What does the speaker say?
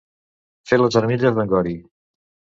Fer les armilles d'en Gori.